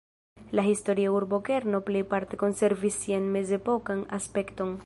La historia urbokerno plejparte konservis sian mezepokan aspekton.